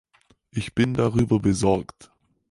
Ich bin darüber besorgt.